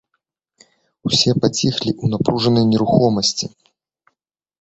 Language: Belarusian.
Усе паціхлі ў напружнай нерухомасці.